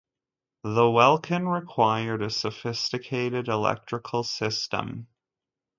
The Welkin required a sophisticated electrical system.